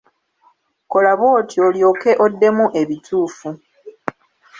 Kola bw'otyo olyoke oddemu ebituufu.